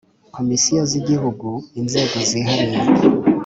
Komisiyo z’Igihugu, Inzego Zihariye